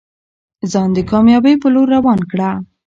ځان د کامیابۍ په لور روان کړه.